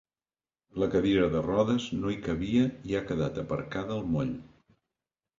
La cadira de rodes no hi cabia i ha quedat aparcada al moll.